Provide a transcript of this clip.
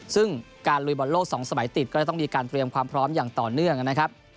ซึ่งการลุยบอลโลก๒สมัยติดก็จะต้องมีการเตรียมความพร้อมอย่างต่อเนื่องนะครับ